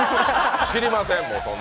知りません。